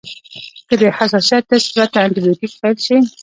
که د حساسیت ټسټ پرته انټي بیوټیک پیل شي.